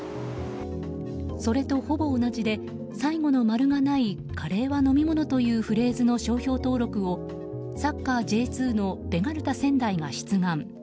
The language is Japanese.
それとほぼ同じで最後の丸がないカレーは飲み物というフレーズの商標登録をサッカーＪ２のベガルタ仙台が出願。